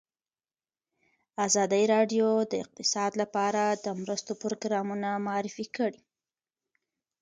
ازادي راډیو د اقتصاد لپاره د مرستو پروګرامونه معرفي کړي.